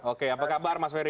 oke apa kabar mas ferry